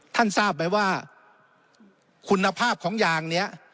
ทราบไหมว่าคุณภาพของยางนี้